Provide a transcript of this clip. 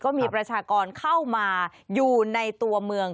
ประชากรเข้ามาอยู่ในตัวเมือง